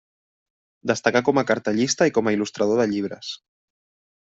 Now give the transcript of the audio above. Destacà com a cartellista i com a il·lustrador de llibres.